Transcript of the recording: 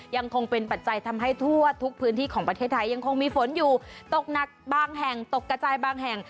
ยังคงเป็นปัจจัยทำให้ทั่วทุกพื้นที่ของประเทศไทยยังคงมีฝนอยู่ตกหนักบางแห่งตกกระจายบางแห่ง